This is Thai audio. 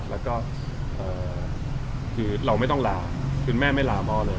แล้วก็คือเราไม่ต้องลาคุณแม่ไม่ลามอเลย